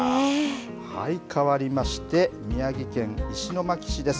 変わりまして宮城県石巻市です。